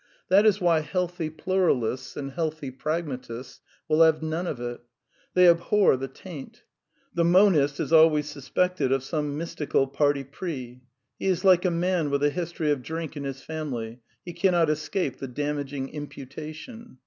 That is why healthy pluralists and healthy pragmatists will have none of it. They abhor the taint. The monist is always suspected of some mystical parti pris. He is like a man with a history of drink in his family; he cannot escape the damaging imputation.